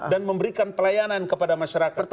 dan memberikan pelayanan kepada masyarakat